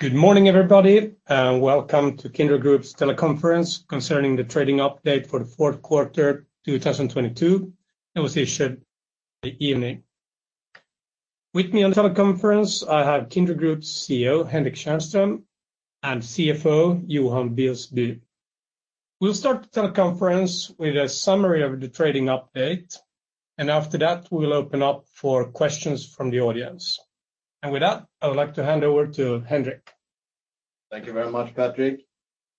Good morning, everybody, and welcome to Kindred Group's teleconference concerning the trading update for the fourth quarter, 2022 that was issued this evening. With me on the teleconference, I have Kindred Group's CEO, Henrik Tjärnström, and CFO, Johan Wilsby. We'll start the teleconference with a summary of the trading update, and after that, we'll open up for questions from the audience. With that, I would like to hand over to Henrik. Thank you very much, Patrick.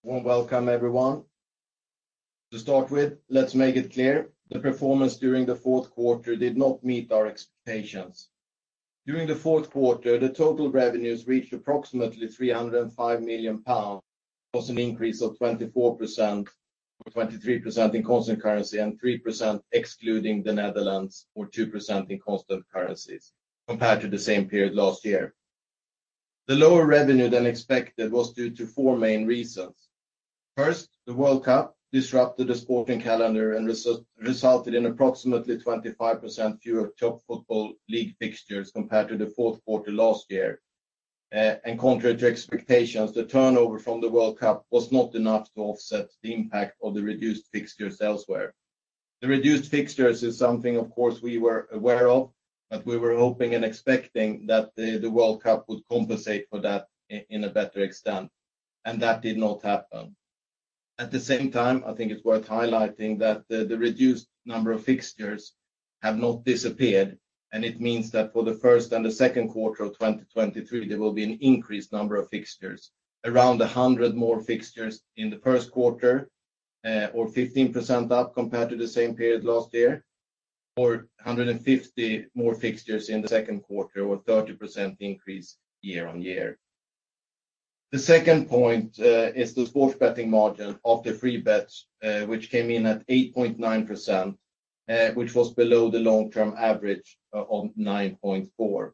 Warm welcome, everyone. To start with, let's make it clear the performance during the fourth quarter did not meet our expectations. During the fourth quarter, the total revenues reached approximately 305 million pounds. That was an increase of 24%, or 23% in constant currency, and 3% excluding the Netherlands, or 2% in constant currencies compared to the same period last year. The lower revenue than expected was due to four main reasons. First, the World Cup disrupted the sporting calendar and resulted in approximately 25% fewer top football league fixtures compared to the fourth quarter last year. Contrary to expectations, the turnover from the World Cup was not enough to offset the impact of the reduced fixtures elsewhere. The reduced fixtures is something, of course, we were aware of, but we were hoping and expecting that the World Cup would compensate for that in a better extent, and that did not happen. At the same time, I think it's worth highlighting that the reduced number of fixtures have not disappeared, and it means that for the first and the second quarter of 2023, there will be an increased number of fixtures. Around 100 more fixtures in the first quarter, or 15% up compared to the same period last year, or 150 more fixtures in the second quarter, or a 30% increase year on year. The second point is the sports betting margin of the free bets, which came in at 8.9%, which was below the long-term average of 9.4%.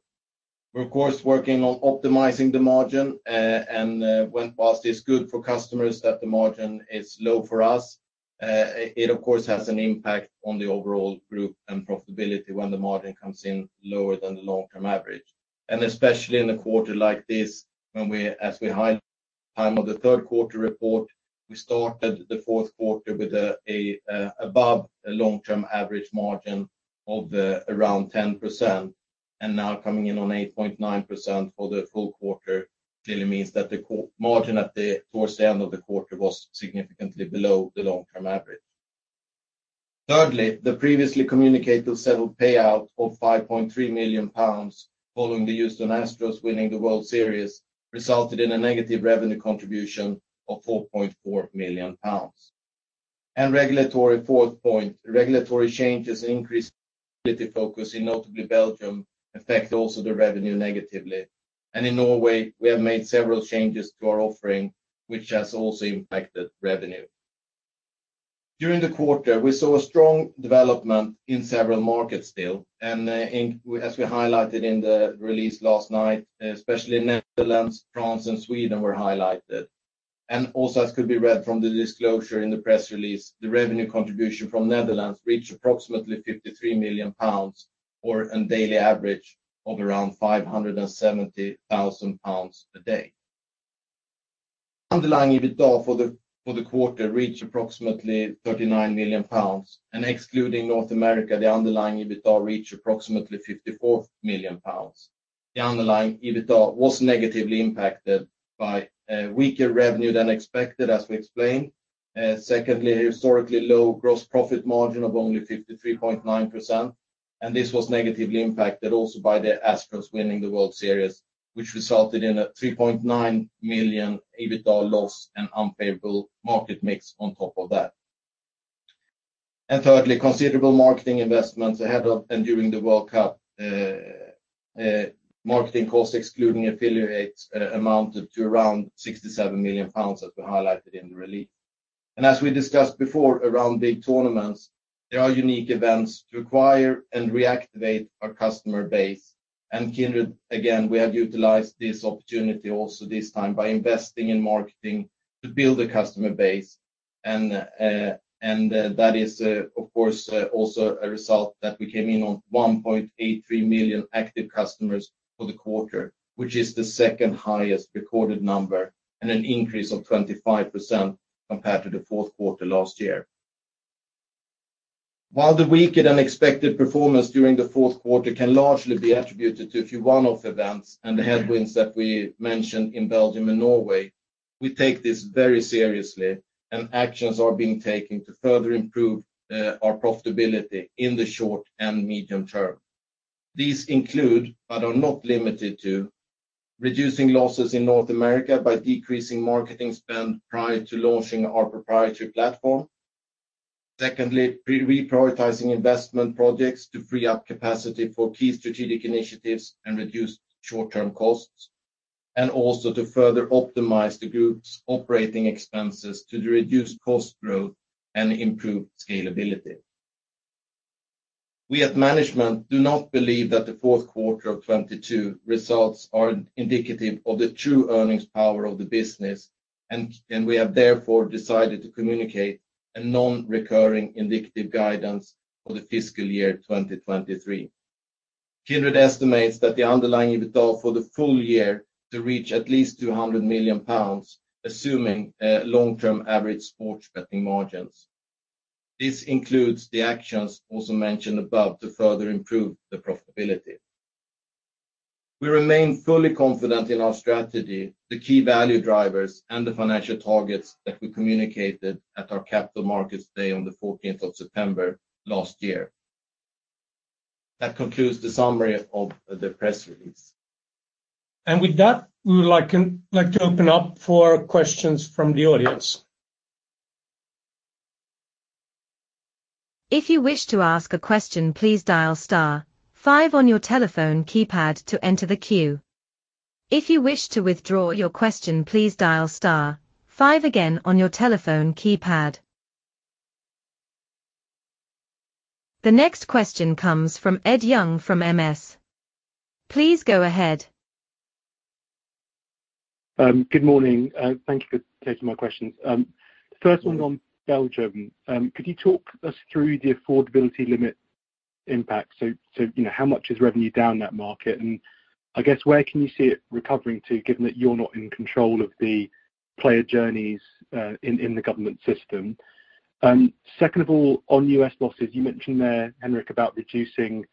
We're of course working on optimizing the margin, and whilst it is good for customers that the margin is low for us, it of course has an impact on the overall group and profitability when the margin comes in lower than the long-term average. Especially in a quarter like this as we highlight time of the third quarter report, we started the fourth quarter with above long-term average margin of around 10%, and now coming in on 8.9% for the full quarter clearly means that the margin at towards the end of the quarter was significantly below the long-term average. Thirdly, the previously communicated settled payout of 5.3 million pounds following the Houston Astros winning the World Series resulted in a negative revenue contribution of 4.4 million pounds. Regulatory fourth point, regulatory changes increased focus in notably Belgium affect also the revenue negatively. In Norway, we have made several changes to our offering, which has also impacted revenue. During the quarter, we saw a strong development in several markets still. As we highlighted in the release last night, especially Netherlands, France, and Sweden were highlighted. Also, as could be read from the disclosure in the press release, the revenue contribution from Netherlands reached approximately 53 million pounds, or an daily average of around 570,000 pounds a day. Underlying EBITDA for the quarter reached approximately 39 million pounds, and excluding North America, the underlying EBITDA reached approximately 54 million pounds. The underlying EBITDA was negatively impacted by weaker revenue than expected, as we explained. Secondly, historically low gross profit margin of only 53.9%. This was negatively impacted also by the Astros winning the World Series, which resulted in a 3.9 million EBITDA loss and unfavorable market mix on top of that. Thirdly, considerable marketing investments ahead of and during the World Cup, marketing costs, excluding affiliates, amounted to around 67 million pounds, as we highlighted in the release. As we discussed before around big tournaments, there are unique events to acquire and reactivate our customer base. Kindred, again, we have utilized this opportunity also this time by investing in marketing to build a customer base. That is, of course, also a result that we came in on 1.83 million active customers for the quarter, which is the second highest recorded number and an increase of 25% compared to the fourth quarter last year. While the weaker than expected performance during the fourth quarter can largely be attributed to a few one-off events and the headwinds that we mentioned in Belgium and Norway, we take this very seriously, and actions are being taken to further improve our profitability in the short and medium term. These include, but are not limited to, reducing losses in North America by decreasing marketing spend prior to launching our proprietary platform. Secondly, re-prioritizing investment projects to free up capacity for key strategic initiatives and reduce short-term costs, and also to further optimize the group's operating expenses to reduce cost growth and improve scalability. We at management do not believe that the fourth quarter of 2022 results are indicative of the true earnings power of the business. We have therefore decided to communicate a non-recurring indicative guidance for the fiscal year 2023. Kindred estimates that the underlying EBITDA for the full year to reach at least 200 million pounds, assuming long-term average sports betting margins. This includes the actions also mentioned above to further improve the profitability. We remain fully confident in our strategy, the key value drivers, and the financial targets that we communicated at our Capital Markets Day on the 14th of September last year. That concludes the summary of the press release. With that, we would like to open up for questions from the audience. If you wish to ask a question, please dial star five on your telephone keypad to enter the queue. If you wish to withdraw your question, please dial star five again on your telephone keypad. The next question comes from Ed Young from Morgan Stanley. Please go ahead. Good morning. Thank you for taking my questions. First one on Belgium. Could you talk us through the affordability limit impact? You know, how much is revenue down that market? I guess, where can you see it recovering to, given that you're not in control of the player journeys, in the government system? Second of all, on U.S. losses, you mentioned there, Henrik, about reducing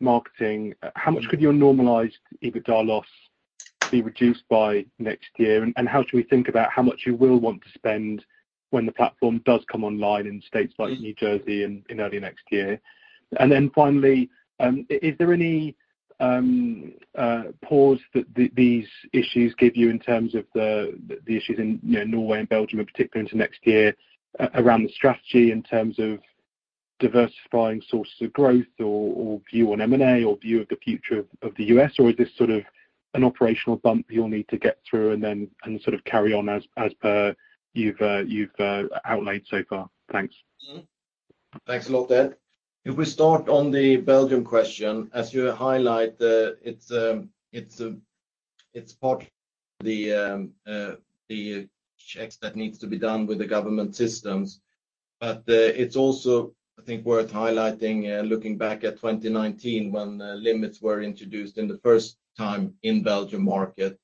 marketing. How much could your normalized EBITDA loss be reduced by next year? How should we think about how much you will want to spend when the platform does come online in states like New Jersey in early next year? Finally, is there any pause that these issues give you in terms of the issues in, you know, Norway and Belgium in particular into next year around the strategy in terms of diversifying sources of growth or view on M&A or view of the future of the U.S.? Or is this sort of an operational bump you'll need to get through and then sort of carry on as per you've outlaid so far? Thanks. Thanks a lot, Ed. If we start on the Belgium question, as you highlight, it's, it's part of the checks that needs to be done with the government systems. It's also, I think, worth highlighting, looking back at 2019 when limits were introduced in the first time in Belgium market.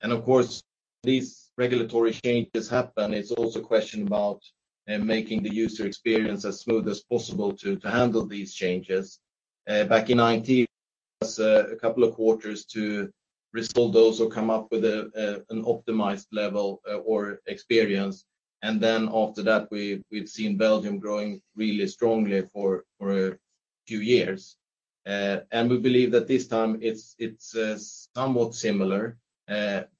Of course, these regulatory changes happen. It's also a question about making the user experience as smooth as possible to handle these changes. Back in 2019, it took us a couple of quarters to restore those or come up with an optimized level or experience. After that, we've seen Belgium growing really strongly for a few years. We believe that this time it's somewhat similar.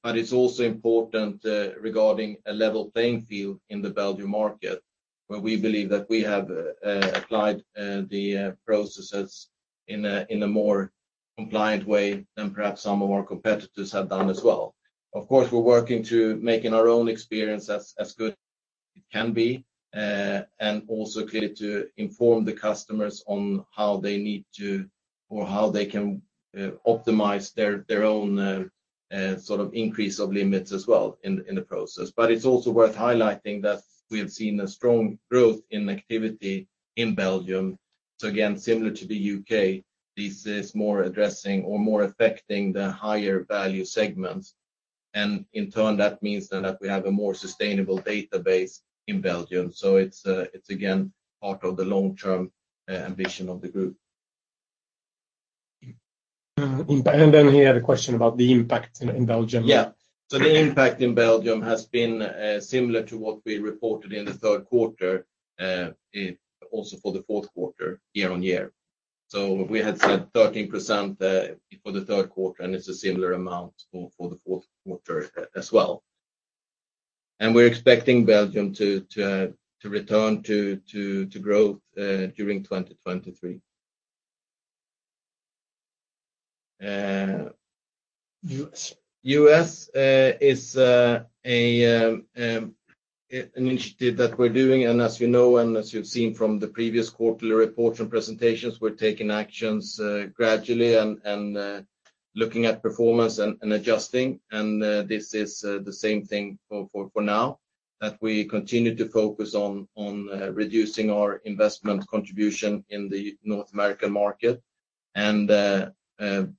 It's also important regarding a level playing field in the Belgium market, where we believe that we have applied the processes in a more compliant way than perhaps some of our competitors have done as well. Of course, we're working to making our own experience as good as it can be, and also clear to inform the customers on how they need to or how they can optimize their own sort of increase of limits as well in the process. It's also worth highlighting that we have seen a strong growth in activity in Belgium. Again, similar to the U.K., this is more addressing or more affecting the higher value segments. In turn, that means then that we have a more sustainable database in Belgium. It's again, part of the long-term ambition of the Group. He had a question about the impact in Belgium. The impact in Belgium has been similar to what we reported in the third quarter also for the fourth quarter year-on-year. We had said 13% for the third quarter, and it's a similar amount for the fourth quarter as well. We're expecting Belgium to return to growth during 2023. U.S. is an initiative that we're doing, and as you know, and as you've seen from the previous quarterly reports and presentations, we're taking actions gradually and looking at performance and adjusting. This is the same thing for now, that we continue to focus on reducing our investment contribution in the North American market.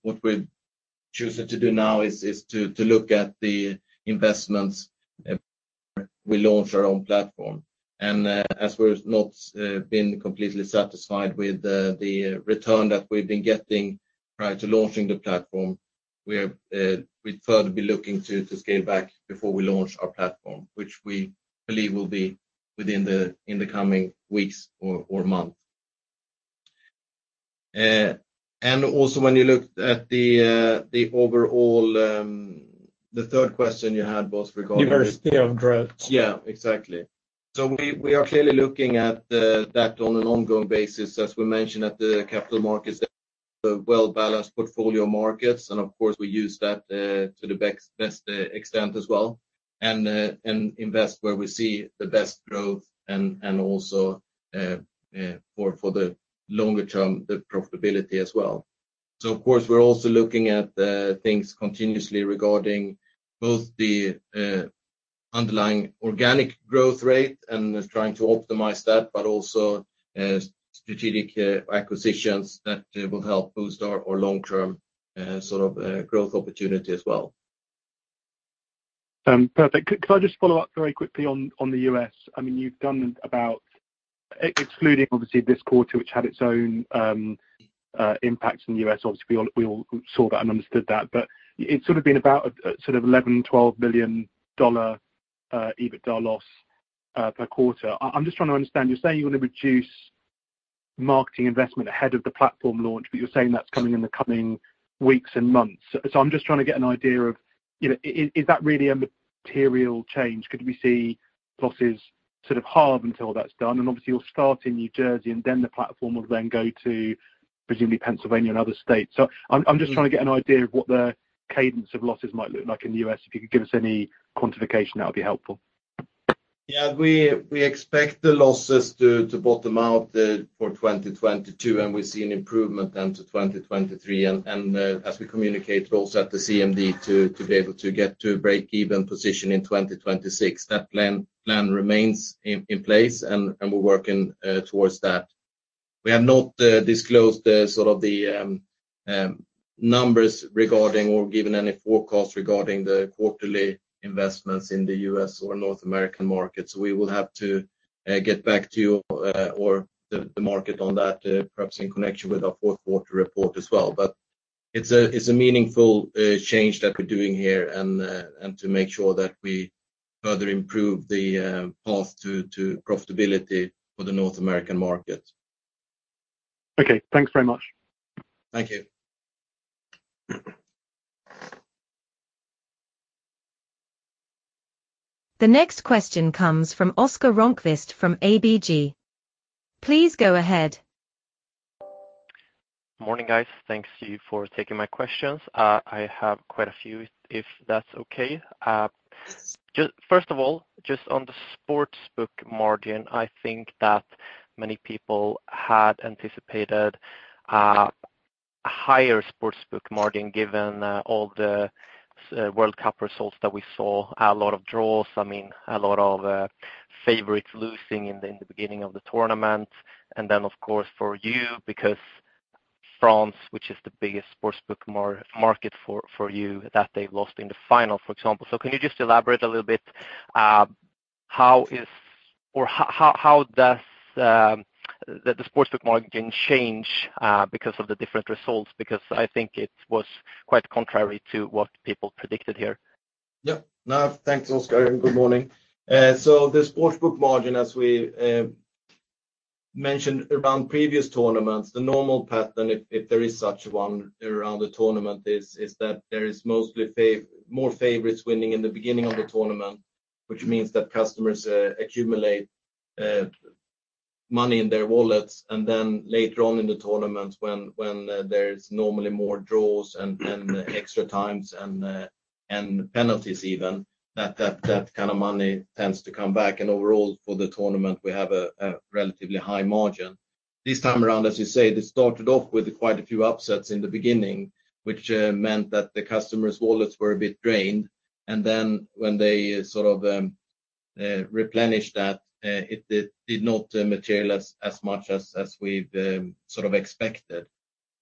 What we're choosing to do now is to look at the investments before we launch our own platform. As we're not been completely satisfied with the return that we've been getting prior to launching the platform, we'd further be looking to scale back before we launch our platform, which we believe will be within the coming weeks or month. Also when you look at the overall, the third question you had was regarding. Diversity of growth. Yeah, exactly. We are clearly looking at that on an ongoing basis, as we mentioned at the Capital Markets Day, a well-balanced portfolio of markets. Of course, we use that to the best extent as well, and invest where we see the best growth and also for the longer term, the profitability as well. Of course, we're also looking at things continuously regarding both the underlying organic growth rate and trying to optimize that, but also strategic acquisitions that will help boost our long-term sort of growth opportunity as well. Perfect. Can I just follow up very quickly on the U.S.? I mean, you've done about... excluding obviously this quarter, which had its own impact in the U.S. Obviously, we all saw that and understood that. It's sort of been about $11 million-$12 million EBITDA loss per quarter. I'm just trying to understand. You're saying you wanna reduce marketing investment ahead of the platform launch, you're saying that's coming in the coming weeks and months. I'm just trying to get an idea of, you know, is that really a material change? Could we see losses sort of halve until that's done? Obviously you'll start in New Jersey, the platform will then go to presumably Pennsylvania and other states. I'm just trying to get an idea of what the cadence of losses might look like in the U.S. If you could give us any quantification, that would be helpful. Yeah. We expect the losses to bottom out for 2022. We see an improvement then to 2023. As we communicate also at the CMD to be able to get to a breakeven position in 2026. That plan remains in place. We're working towards that. We have not disclosed the sort of the numbers regarding or given any forecast regarding the quarterly investments in the U.S. or North American markets. We will have to get back to you or the market on that perhaps in connection with our fourth quarter report as well. It's a meaningful change that we're doing here to make sure that we further improve the path to profitability for the North American market. Okay. Thanks very much. Thank you. The next question comes from Oscar Rönnkvist from ABG. Please go ahead. Morning, guys. Thanks to you for taking my questions. I have quite a few, if that's okay. Just first of all, just on the sportsbook margin, I think that many people had anticipated higher sportsbook margin given all the World Cup results that we saw. A lot of draws. I mean, a lot of favorites losing in the beginning of the tournament. Of course for you, because France, which is the biggest sportsbook market for you, that they've lost in the final, for example. Can you just elaborate a little bit, how does the sportsbook margin change because of the different results? I think it was quite contrary to what people predicted here. Yeah. No, thanks, Oscar. Good morning. The sportsbook margin, as we mentioned around previous tournaments, the normal pattern, if there is such one around the tournament, is that there is mostly more favorites winning in the beginning of the tournament, which means that customers accumulate money in their wallets. Later on in the tournament when there's normally more draws and extra times and penalties even, that kind of money tends to come back. Overall for the tournament, we have a relatively high margin. This time around, as you say, this started off with quite a few upsets in the beginning, which meant that the customers' wallets were a bit drained. When they sort of replenished that, it did not materialize as much as we'd sort of expected.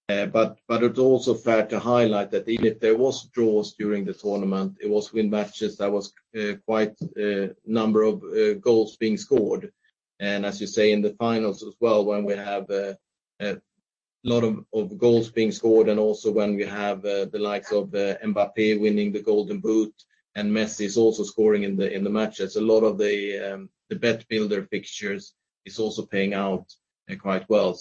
But it's also fair to highlight that even if there was draws during the tournament, it was win matches that was quite number of goals being scored. As you say in the finals as well, when we have a lot of goals being scored and also when we have the likes of Mbappé winning the Golden Boot and Messi is also scoring in the matches. A lot of the Bet Builder fixtures is also paying out quite well.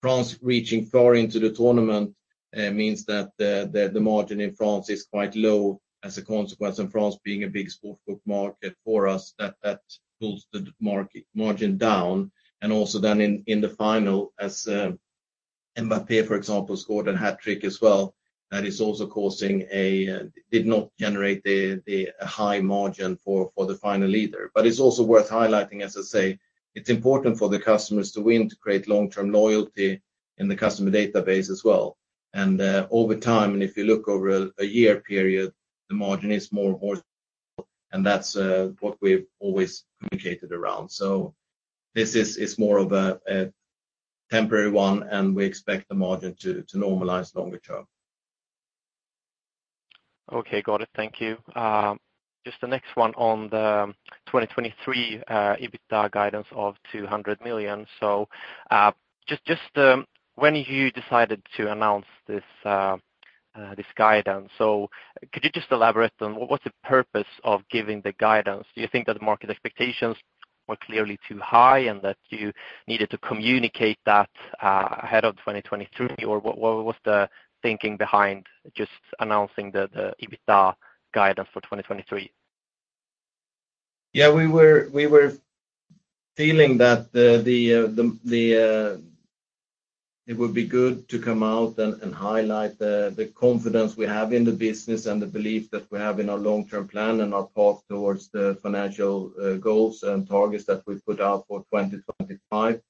France reaching far into the tournament means that the margin in France is quite low as a consequence. France being a big sportsbook market for us, that pulls the margin down. also then in the final as Mbappé, for example, scored a hat-trick as well, that is also did not generate the high margin for the final either. It's also worth highlighting, as I say, it's important for the customers to win, to create long-term loyalty in the customer database as well. Over time, and if you look over a year period, the margin is more and more. We were feeling that it would be good to come out and highlight the confidence we have in the business and the belief that we have in our long-term plan and our path towards the financial goals and targets that we've put out for 2025.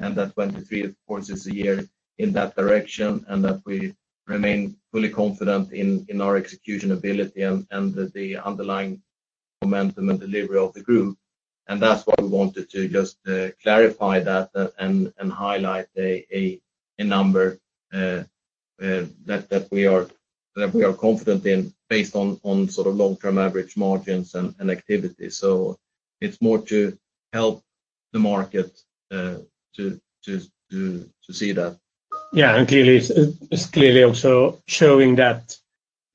That 2023, of course, is a year in that direction, and that we remain fully confident in our execution ability and the underlying momentum and delivery of the group. That's why we wanted to just clarify that and highlight a number that we are confident in based on sort of long-term average margins and activity. it's more to help the market, to see that. Yeah. clearly it's clearly also showing that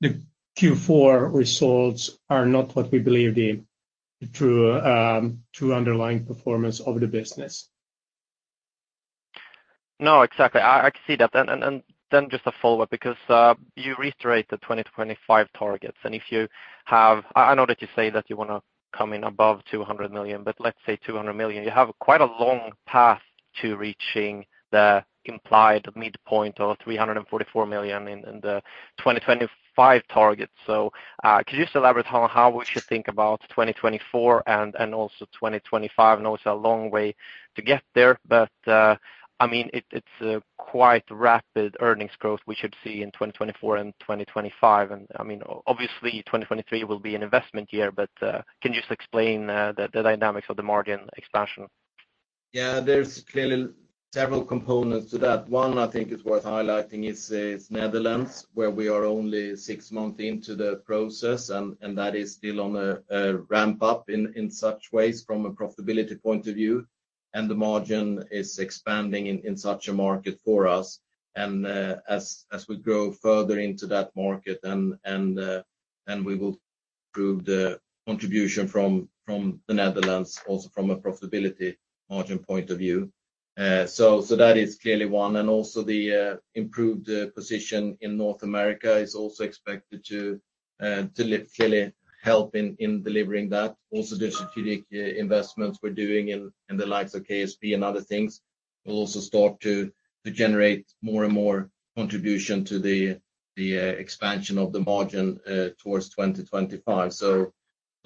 the Q4 results are not what we believe the true underlying performance of the business. No, exactly. I can see that. Then just a follow-up because you reiterate the 20-25 targets. I know that you say that you wanna come in above 200 million, but let's say 200 million. You have quite a long path to reaching the implied midpoint of 344 million in the 2025 target. Could you just elaborate on how we should think about 2024 and also 2025? I know it's a long way to get there, but I mean, it's a quite rapid earnings growth we should see in 2024 and 2025. I mean, obviously, 2023 will be an investment year, but can you just explain the dynamics of the margin expansion? Yeah, there's clearly several components to that. One I think is worth highlighting is Netherlands, where we are only six months into the process and that is still on a ramp up in such ways from a profitability point of view, and the margin is expanding in such a market for us. As we grow further into that market and we will prove the contribution from the Netherlands also from a profitability margin point of view. That is clearly one. Also the improved position in North America is also expected to clearly help in delivering that. Also, the strategic investments we're doing in the likes of KSP and other things will also start to generate more and more contribution to the expansion of the margin towards 2025.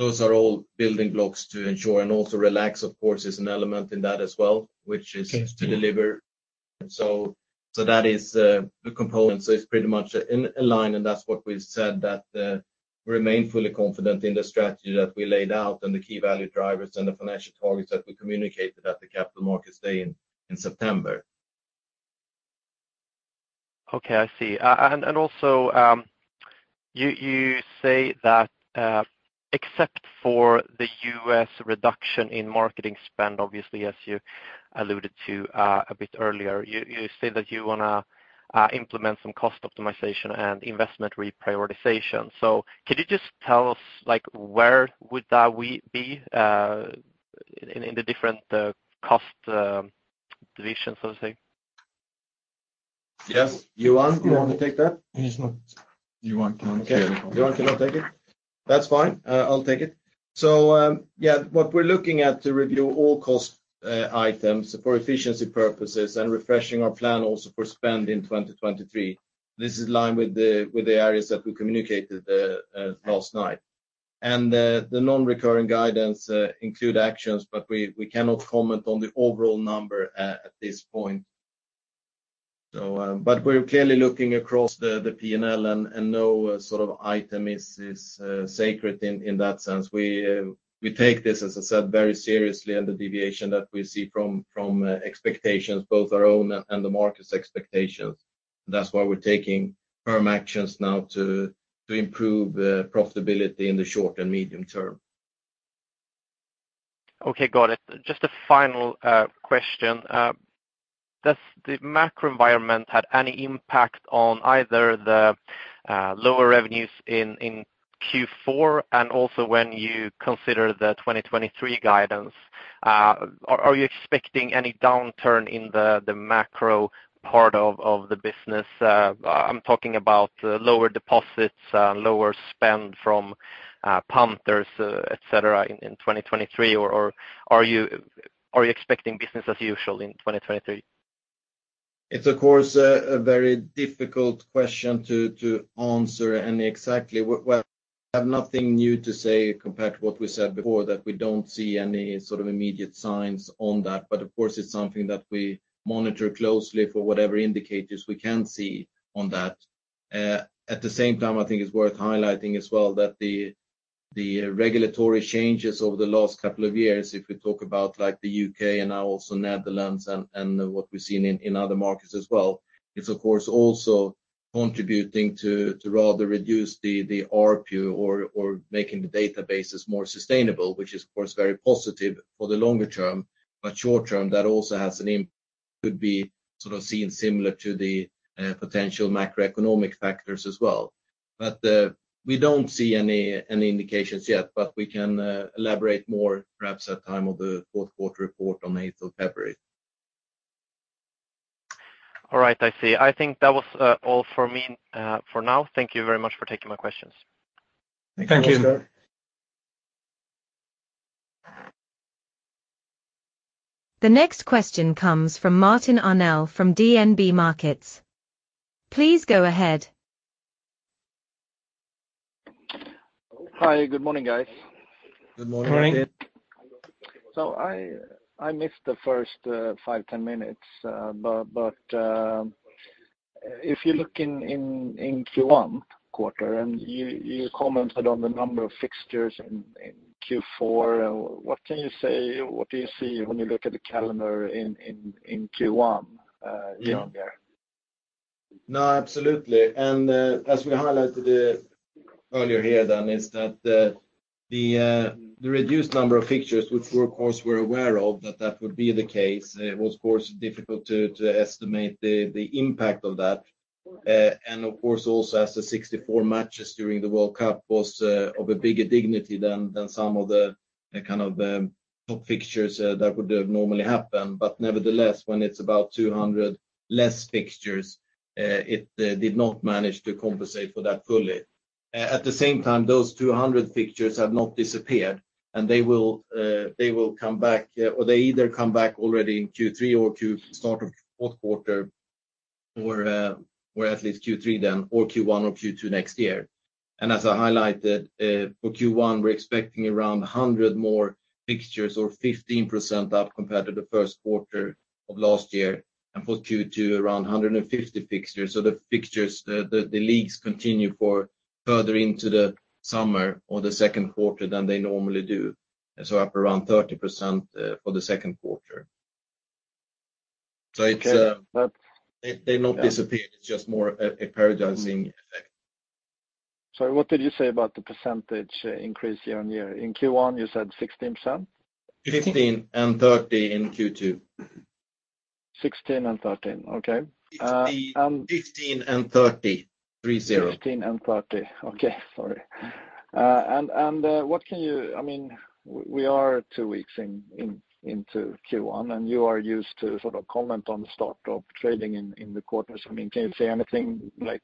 Those are all building blocks to ensure. Also Relax, of course, is an element in that as well, which is to deliver. That is the component. It's pretty much in line, and that's what we've said, that remain fully confident in the strategy that we laid out and the key value drivers and the financial targets that we communicated at the Capital Markets Day in September. Okay. I see. Also, you say that, except for the U.S. reduction in marketing spend, obviously, as you alluded to a bit earlier, you say that you wanna implement some cost optimization and investment reprioritization. Can you just tell us, like, where would that be, in the different cost divisions, so to say? Yes. Johan, do you wanna take that? Johan cannot take it. Johan can take it. That's fine. I'll take it. What we're looking at to review all cost items for efficiency purposes and refreshing our plan also for spend in 2023. This is in line with the areas that we communicated last night. The non-recurring guidance include actions, but we cannot comment on the overall number at this point. We're clearly looking across the P&L and no sort of item is sacred in that sense. We take this, as I said, very seriously and the deviation that we see from expectations, both our own and the market's expectations. That's why we're taking firm actions now to improve profitability in the short and medium term. Okay. Got it. Just a final question. Does the macro environment had any impact on either the lower revenues in Q4 and also when you consider the 2023 guidance? Are you expecting any downturn in the macro part of the business? I'm talking about lower deposits, lower spend from punters, et cetera in 2023 or are you expecting business as usual in 2023? It's of course a very difficult question to answer and exactly where. I have nothing new to say compared to what we said before, that we don't see any sort of immediate signs on that. Of course, it's something that we monitor closely for whatever indicators we can see on that. At the same time, I think it's worth highlighting as well that the regulatory changes over the last couple of years, if we talk about like the U.K. and now also Netherlands and what we've seen in other markets as well, it's of course also contributing to rather reduce the ARPU or making the databases more sustainable, which is of course very positive for the longer term. Short term, that also has could be sort of seen similar to the potential macroeconomic factors as well. We don't see any indications yet, but we can elaborate more perhaps at time of the fourth quarter report on the eighth of February. All right. I see. I think that was all for me for now. Thank you very much for taking my questions. Thank you. Thank you. The next question comes from Martin Arnell from DNB Markets. Please go ahead. Hi, good morning, guys. Good morning. I missed the first, five, 10 minutes, but if you look in Q1 quarter, and you commented on the number of fixtures in Q4, what can you say? What do you see when you look at the calendar in Q1, year-on-year? No, absolutely. As we highlighted earlier here then is that the, the reduced number of fixtures, which we of course were aware of, that that would be the case, it was of course difficult to estimate the impact of that. Of course, also as the 64 matches during the World Cup was of a bigger dignity than some of the kind of, top fixtures that would have normally happened. Nevertheless, when it's about 200 less fixtures, it did not manage to compensate for that fully. At the same time, those 200 fixtures have not disappeared. They will, they will come back, or they either come back already in Q3 or start of fourth quarter, or at least Q3 then, or Q1 or Q2 next year. As I highlighted, for Q1, we're expecting around 100 more fixtures or 15% up compared to the first quarter of last year. For Q2, around 150 fixtures. The fixtures, the leagues continue for further into the summer or the second quarter than they normally do. Up around 30%, for the second quarter. It's. Okay. They not disappear. It's just more a cannibalization effect. Sorry, what did you say about the percentage increase year-on-year? In Q1, you said 16%? 15% and 30% in Q2. 16% and 13%. Okay. `15% and 30%. Three zero. 15% and 30%. Okay, sorry. What can you... I mean, we are two weeks into Q1, and you are used to sort of comment on the start of trading in the quarters. I mean, can you say anything like,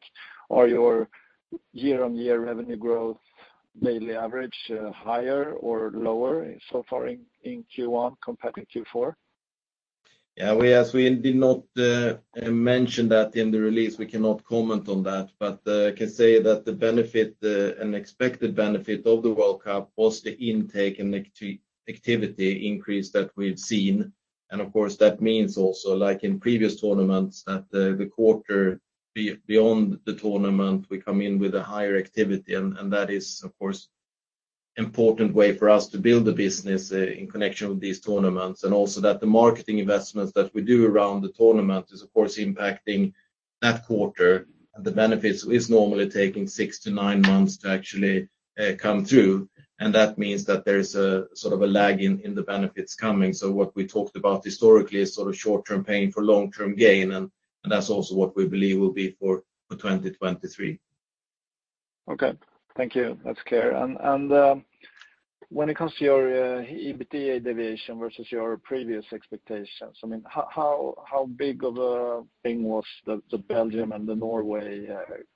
are your year-over-year revenue growth daily average higher or lower so far in Q1 compared to Q4? Yeah, we, as we did not mention that in the release, we cannot comment on that. Can say that the benefit, the unexpected benefit of the World Cup was the intake and activity increase that we've seen. Of course, that means also, like in previous tournaments, that the quarter beyond the tournament, we come in with a higher activity. That is, of course, important way for us to build the business in connection with these tournaments, and also that the marketing investments that we do around the tournament is of course impacting that quarter. The benefits is normally taking six to nine months to actually come through. That means that there is a sort of a lag in the benefits coming. What we talked about historically is sort of short-term pain for long-term gain, and that's also what we believe will be for 2023. Okay. Thank you. That's clear. When it comes to your EBITDA deviation versus your previous expectations, I mean, how big of a thing was the Belgium and the Norway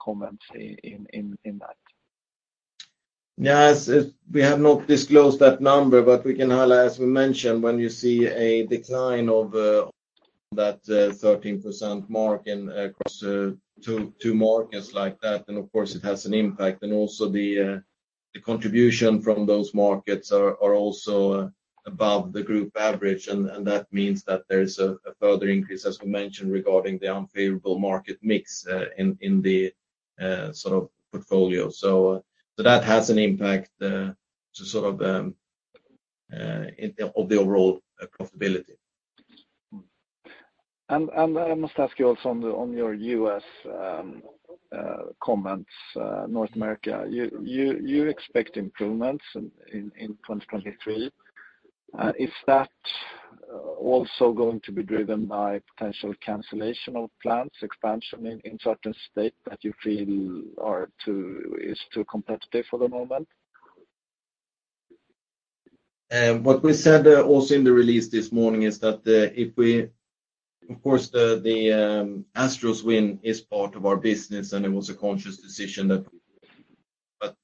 comments in that? Yes. We have not disclosed that number, but we can highlight, as we mentioned, when you see a decline of that 13% mark in across two markets like that, then of course it has an impact. Also the contribution from those markets are also above the group average. That means that there is a further increase, as we mentioned, regarding the unfavorable market mix in the sort of portfolio. That has an impact to sort of of the overall profitability. I must ask you also on your U.S. comments, North America, you expect improvements in 2023. Is that also going to be driven by potential cancellation of plans, expansion in certain state that you feel is too competitive for the moment? What we said also in the release this morning is that, if we, of course, the Astros win is part of our business and it was a conscious decision that.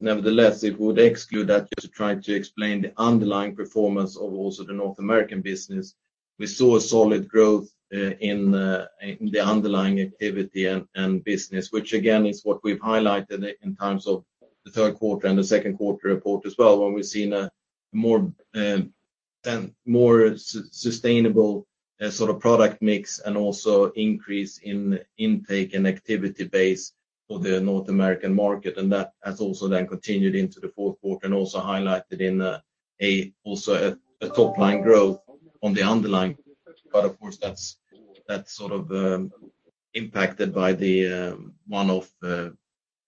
Nevertheless, it would exclude that just to try to explain the underlying performance of also the North American business. We saw a solid growth in the underlying activity and business, which again is what we've highlighted in terms of the third quarter and the second quarter report as well, when we've seen a more, more sustainable, sort of product mix and also increase in intake and activity base of the North American market. That has also then continued into the fourth quarter and also highlighted in a also a top-line growth on the underlying. Of course, that's sort of impacted by the one-off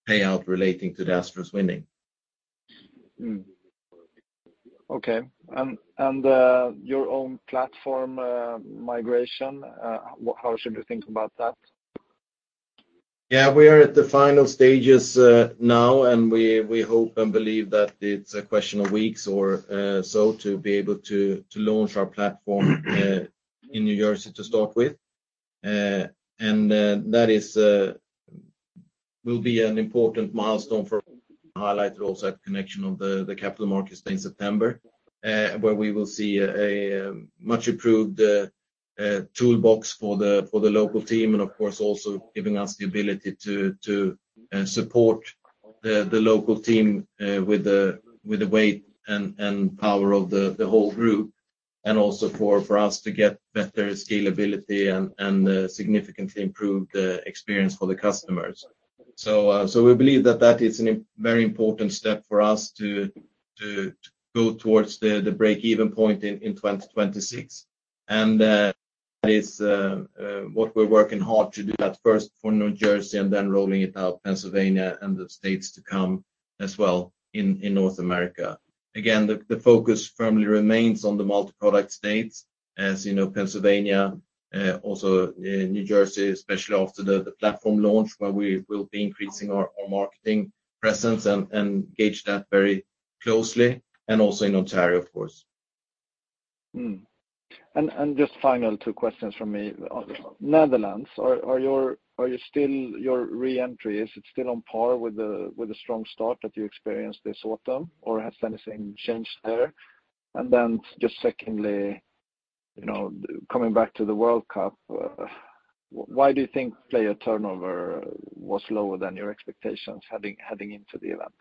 payout relating to the Astros winning. Okay. your own platform, migration, how should we think about that? Yeah, we are at the final stages, now, and we hope and believe that it's a question of weeks or so to be able to launch our platform in New Jersey to start with. That is, will be an important milestone for highlighted also at the connection of the Capital Markets Day in September, where we will see a much improved, A toolbox for the local team, and of course, also giving us the ability to support the local team with the weight and power of the whole group, and also for us to get better scalability and significantly improve the experience for the customers. We believe that that is an very important step for us to go towards the break-even point in 2026. That is what we're working hard to do that first for New Jersey and then rolling it out Pennsylvania and the states to come as well in North America. The focus firmly remains on the multi-product states, as you know, Pennsylvania, also New Jersey, especially after the platform launch, where we will be increasing our marketing presence and gauge that very closely, and also in Ontario, of course. Just final two questions from me. Netherlands, your re-entry, is it still on par with the strong start that you experienced this autumn, or has anything changed there? Just secondly, you know, coming back to the World Cup, why do you think player turnover was lower than your expectations heading into the event?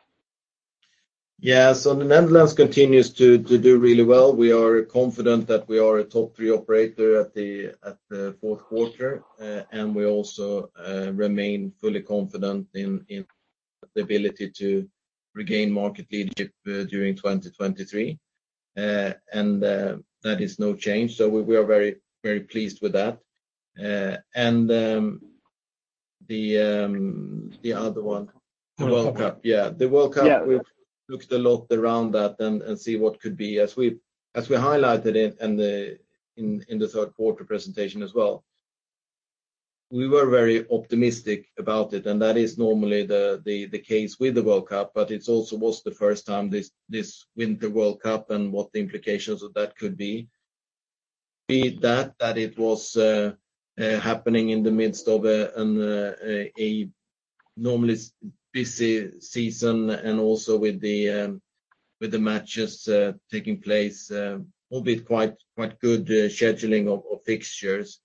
The Netherlands continues to do really well. We are confident that we are a top three operator at the fourth quarter, and we also remain fully confident in the ability to regain market leadership during 2023. That is no change. We are very pleased with that. The other one, the World Cup. Yeah. The World Cup, we've looked a lot around that and see what could be. As we highlighted in the third quarter presentation as well, we were very optimistic about it, and that is normally the case with the World Cup, but it also was the first time this Winter World Cup and what the implications of that could be. Be that it was happening in the midst of a normally busy season and also with the matches taking place, albeit quite good scheduling of fixtures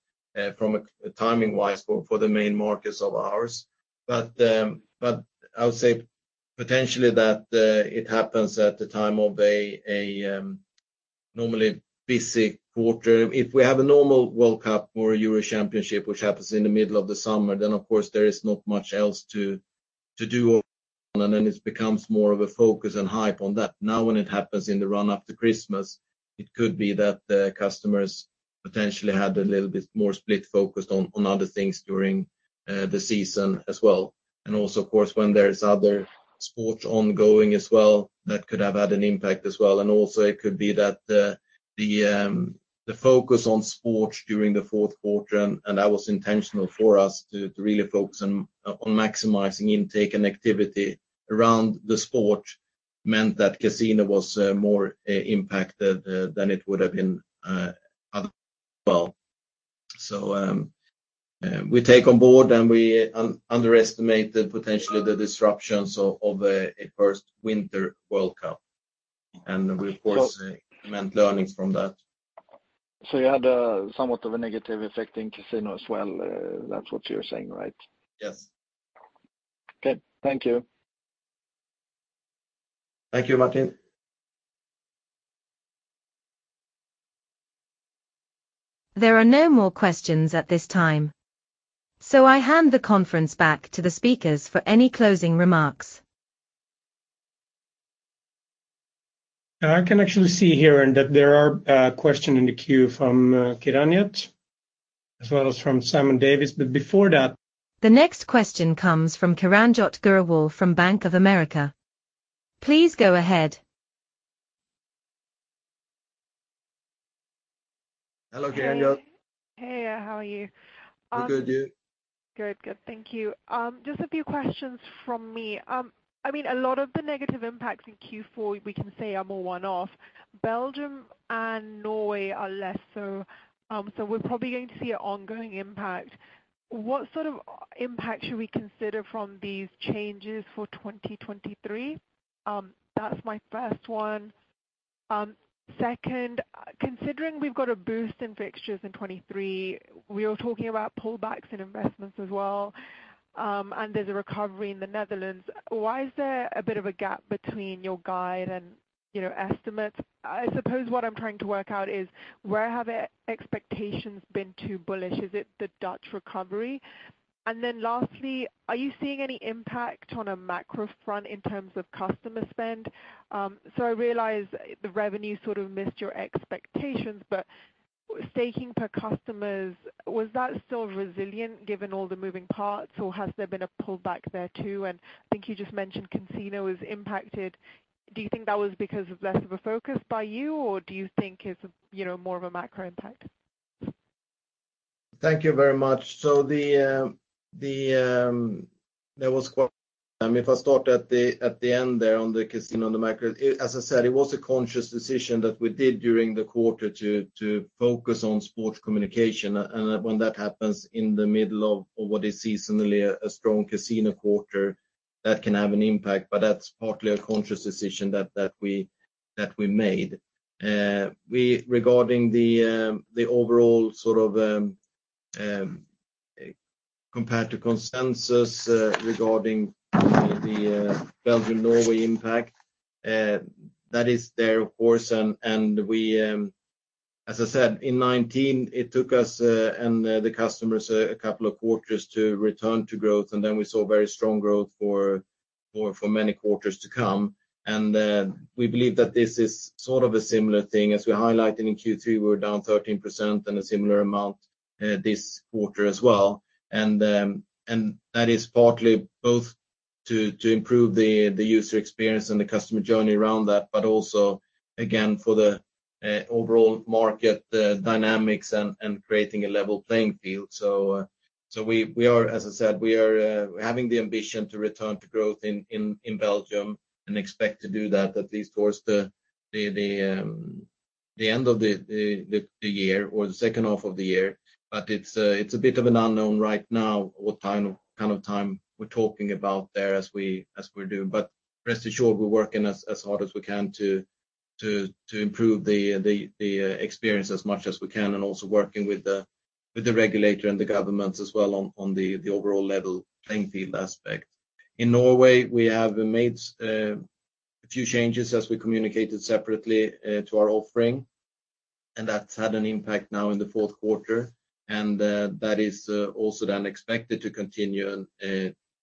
from a timing-wise for the main markets of ours. I would say potentially that it happens at the time of a normally busy quarter. If we have a normal World Cup or Euro championship, which happens in the middle of the summer, then of course there is not much else to do. Then it becomes more of a focus and hype on that. Now, when it happens in the run after Christmas, it could be that the customers potentially had a little bit more split focus on other things during the season as well. Also, of course, when there's other sports ongoing as well, that could have had an impact as well. Also it could be that the focus on sports during the fourth quarter, and that was intentional for us to really focus on maximizing intake and activity around the sport, meant that casino was more impacted than it would have been as well. We take on board, we underestimate the potentially the disruptions of a first Winter World Cup. We, of course, implement learnings from that. You had, somewhat of a negative effect in casino as well, that's what you're saying, right? Yes. Okay. Thank you. Thank you, Martin. There are no more questions at this time, so I hand the conference back to the speakers for any closing remarks. I can actually see here and that there are, question in the queue from, Kiranjot as well as from Simon Davies. before that The next question comes from Kiranjot Grewal from Bank of America. Please go ahead. Hello, Kiranjot. Hey. Hey, how are you? I'm good, you? Good. Good. Thank you. Just a few questions from me. I mean, a lot of the negative impacts in Q4 we can say are more one-off. Belgium and Norway are less so. We're probably going to see an ongoing impact. What sort of impact should we consider from these changes for 2023? That's my first one. Second, considering we've got a boost in fixtures in 2023, we are talking about pullbacks in investments as well, there's a recovery in the Netherlands. Why is there a bit of a gap between your guide and, you know, estimates? I suppose what I'm trying to work out is where have expectations been too bullish? Is it the Dutch recovery? Lastly, are you seeing any impact on a macro front in terms of customer spend? I realize the revenue sort of missed your expectations, but staking per customers, was that still resilient given all the moving parts, or has there been a pullback there too? I think you just mentioned casino is impacted. Do you think that was because of less of a focus by you, or do you think it's, you know, more of a macro impact? Thank you very much. If I start at the end there on the casino and the macro, as I said, it was a conscious decision that we did during the quarter to focus on sports communication. When that happens in the middle of what is seasonally a strong casino quarter, that can have an impact. That's partly a conscious decision that we made. Regarding the overall sort of, comparative consensus, regarding the Belgium, Norway impact, that is there, of course, and we. As I said, in 2019, it took us and the customers a couple of quarters to return to growth, then we saw very strong growth for many quarters to come. We believe that this is sort of a similar thing. As we highlighted in Q3, we were down 13% and a similar amount this quarter as well. That is partly both to improve the user experience and the customer journey around that, but also again, for the overall market dynamics and creating a level playing field. As I said, we are having the ambition to return to growth in Belgium and expect to do that at least towards the end of the year or the second half of the year. It's a bit of an unknown right now what kind of time we're talking about there as we're doing. Rest assured, we're working as hard as we can to improve the experience as much as we can and also working with the regulator and the governments as well on the overall level playing field aspect. In Norway, we have made a few changes as we communicated separately to our offering, and that's had an impact now in the fourth quarter. That is also then expected to continue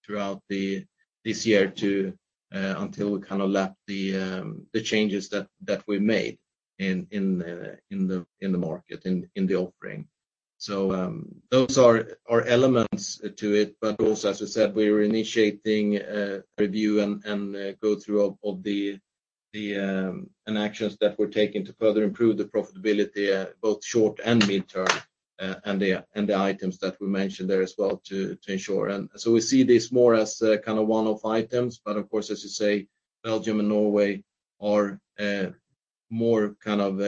throughout this year to until we kind of lap the changes that we made in the market, in the offering. Those are elements to it. Also, as I said, we're initiating a review and go through of the... and actions that we're taking to further improve the profitability, both short and mid-term, and the items that we mentioned there as well to ensure. We see this more as kind of one-off items. Of course, as you say, Belgium and Norway are more kind of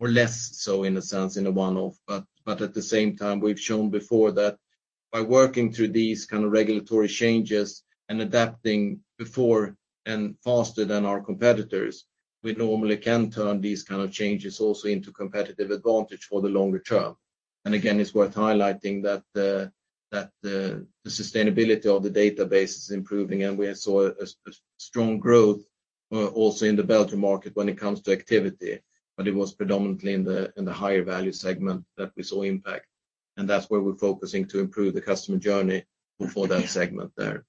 or less so in a sense in a one-off. At the same time, we've shown before that by working through these kind of regulatory changes and adapting before and faster than our competitors, we normally can turn these kind of changes also into competitive advantage for the longer term. Again, it's worth highlighting that the sustainability of the database is improving, and we saw a strong growth also in the Belgium market when it comes to activity. It was predominantly in the higher value segment that we saw impact, and that's where we're focusing to improve the customer journey for that segment there.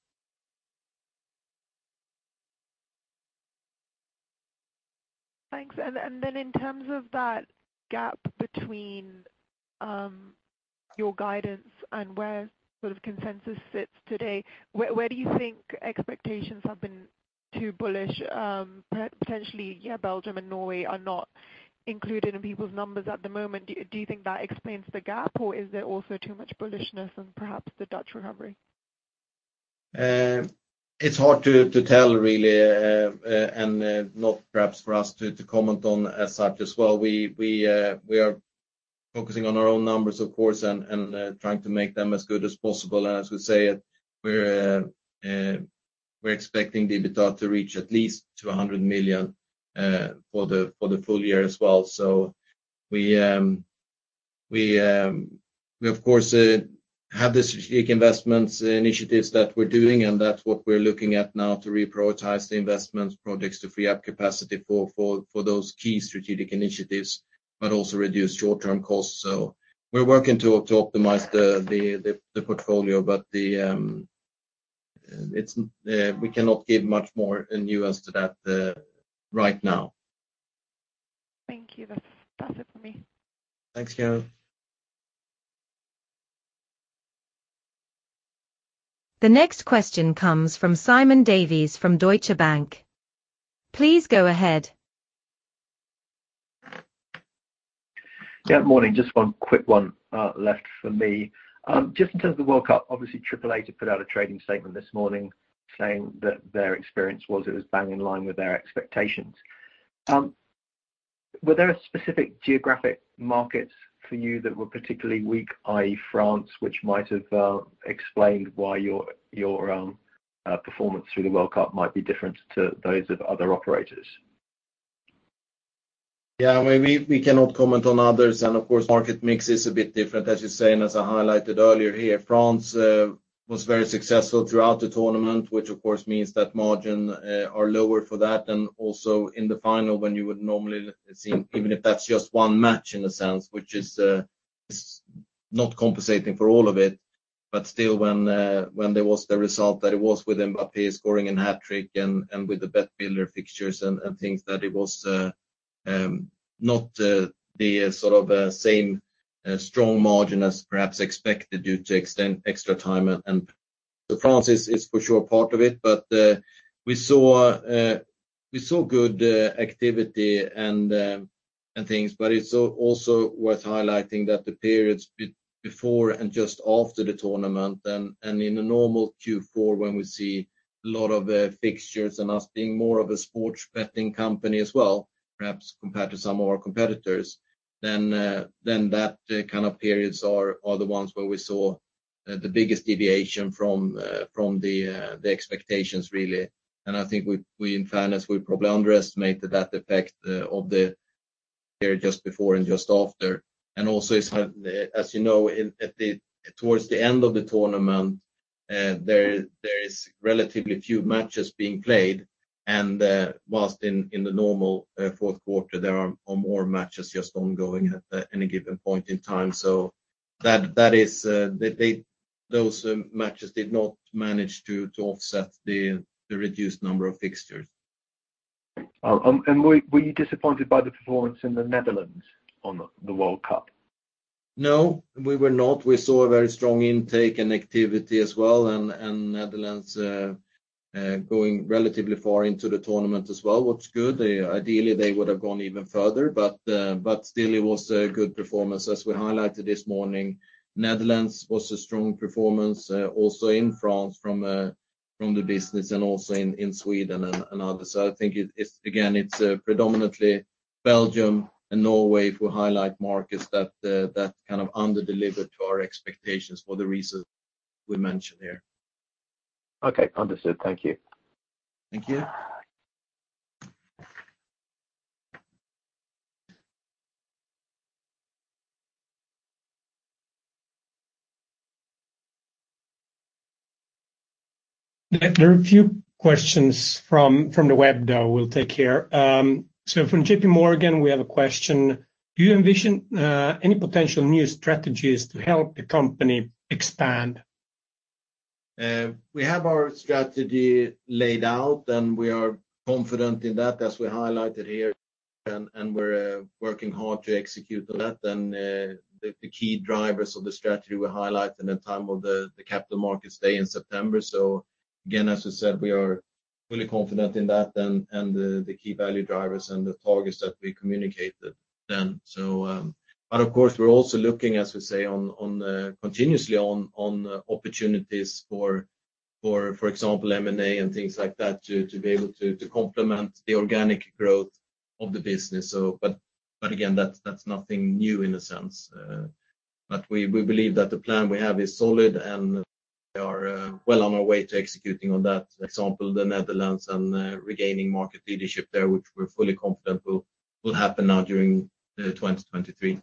Thanks. In terms of that gap between your guidance and where sort of consensus sits today, where do you think expectations have been too bullish? Potentially, yeah, Belgium and Norway are not included in people's numbers at the moment. Do you think that explains the gap, or is there also too much bullishness in perhaps the Dutch recovery? It's hard to, to tell really, and not perhaps for us to, to comment on as such as well. We are focusing on our own numbers, of course, and, and, uh, trying to make them as good as possible. As we say, we're expecting the EBITDA to reach at least to a hundred million, uh, for the, for the full year as well. So we of course, uh, have the strategic investments initiatives that we're doing, and that's what we're looking at now to reprioritize the investments projects to free up capacity for, for, for those key strategic initiatives, but also reduce short-term costs. So we're working to, to optimize the portfolio. But we cannot give much more nuance to that, uh, right now. Thank you. That's it for me. Thanks, Grewal. The next question comes from Simon Davies from Deutsche Bank. Please go ahead. Yeah. Morning. Just one quick one left from me. Just in terms of the World Cup, obviously 888 did put out a trading statement this morning saying that their experience was it was bang in line with their expectations. Were there specific geographic markets for you that were particularly weak, i.e., France, which might have explained why your performance through the World Cup might be different to those of other operators? Yeah. I mean, we cannot comment on others, and of course, market mix is a bit different, as you say, and as I highlighted earlier here. France was very successful throughout the tournament, which of course means that margin are lower for that. Also in the final, when you would normally see, even if that's just one match in a sense, which is not compensating for all of it, but still when there was the result that it was with Mbappé scoring a hat-trick and with the Bet Builder fixtures and things that it was not the sort of same strong margin as perhaps expected due to extra time. France is for sure part of it. We saw good activity and things, but it's also worth highlighting that the periods before and just after the tournament and in a normal Q4 when we see a lot of fixtures and us being more of a sports betting company as well, perhaps compared to some of our competitors, then that kind of periods are the ones where we saw the biggest deviation from the expectations really. I think we in fairness, we probably underestimated that effect of the just before and just after. Also it's kind of, as you know, towards the end of the tournament, there is relatively few matches being played, and whilst in the normal, fourth quarter, there are more matches just ongoing at any given point in time. That, that is, they, those matches did not manage to offset the reduced number of fixtures. Were you disappointed by the performance in the Netherlands on the World Cup? No, we were not. We saw a very strong intake and activity as well, and Netherlands going relatively far into the tournament as well, what's good. Ideally, they would have gone even further, but still it was a good performance. As we highlighted this morning, Netherlands was a strong performance also in France from the business and also in Sweden and others. I think it's, again, it's, predominantly Belgium and Norway who highlight markets that kind of under-delivered to our expectations for the reasons we mentioned here. Okay. Understood. Thank you. Thank you. There are a few questions from the web, though, we'll take here. From JPMorgan, we have a question. Do you envision any potential new strategies to help the company expand? We have our strategy laid out, and we are confident in that, as we highlighted here, and we're working hard to execute on that. The key drivers of the strategy we highlighted in time of the Capital Markets Day in September. Again, as I said, we are fully confident in that and the key value drivers and the targets that we communicated then. But of course, we're also looking, as we say, continuously on opportunities for example, M&A and things like that to be able to complement the organic growth of the business. Again, that's nothing new in a sense. We believe that the plan we have is solid, and we are well on our way to executing on that example, the Netherlands and regaining market leadership there, which we're fully confident will happen now during 2023.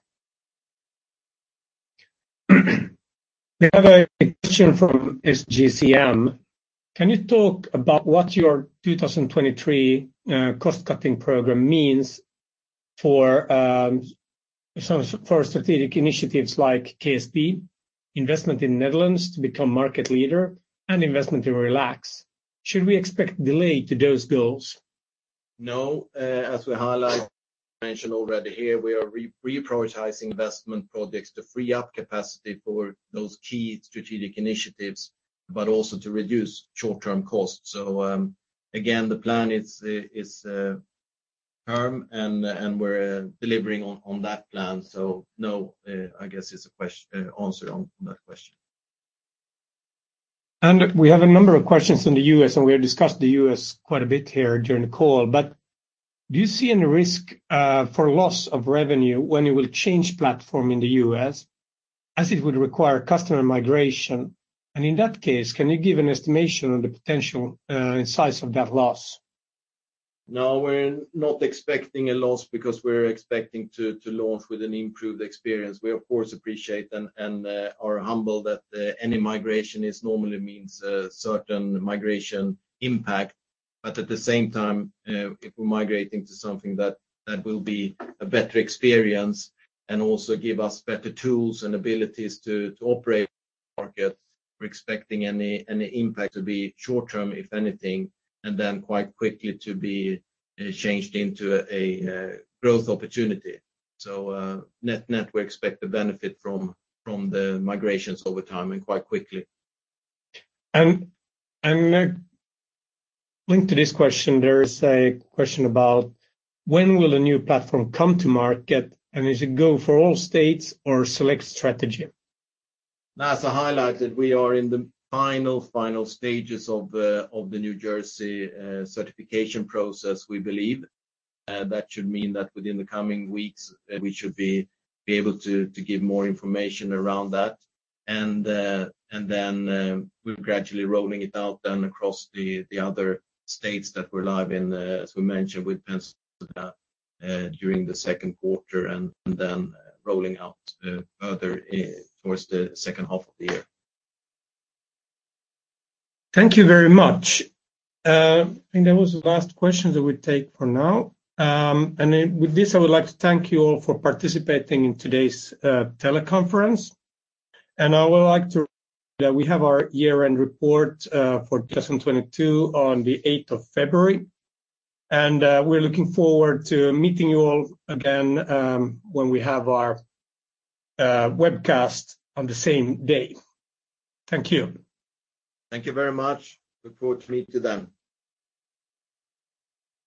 We have a question from SGCM. Can you talk about what your 2023 cost-cutting program means for strategic initiatives like KSP, investment in Netherlands to become market leader and investment in Relax Gaming? Should we expect delay to those goals? No. As we highlighted, mentioned already here, we are reprioritizing investment projects to free up capacity for those key strategic initiatives, but also to reduce short-term costs. Again, the plan is firm and we're delivering on that plan. No, I guess is the answer on that question. We have a number of questions in the U.S., and we have discussed the U.S. quite a bit here during the call. Do you see any risk for loss of revenue when you will change platform in the U.S., as it would require customer migration? In that case, can you give an estimation on the potential size of that loss? We're not expecting a loss because we're expecting to launch with an improved experience. We of course appreciate and are humble that any migration normally means a certain migration impact. At the same time, if we're migrating to something that will be a better experience and also give us better tools and abilities to operate markets, we're expecting any impact to be short-term, if anything, and then quite quickly to be changed into a growth opportunity. Net-net, we expect to benefit from the migrations over time and quite quickly. Linked to this question, there is a question about when will a new platform come to market, and is it go for all states or select strategy? As I highlighted, we are in the final stages of the New Jersey certification process, we believe. That should mean that within the coming weeks, we should be able to give more information around that. We're gradually rolling it out then across the other states that we're live in, as we mentioned with Pennsylvania, during the second quarter and then rolling out, further, towards the second half of the year. Thank you very much. I think that was the last question that we take for now. With this, I would like to thank you all for participating in today's teleconference. I would like to remind you that we have our year-end report for 2022 on the 8th of February. We're looking forward to meeting you all again, when we have our webcast on the same day. Thank you. Thank you very much. Look forward to meet you then.